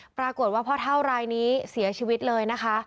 ปรากฏว่าพ่อเท่ารายนี้เสียชีวิตเลยนะคะ